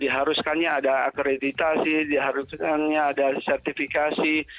diharuskannya ada akreditasi diharuskannya ada sertifikasi